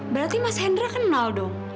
berarti mas hendra kenal dong